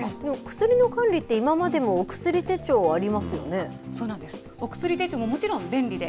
薬の管理って、今までもお薬手帳ありますよね。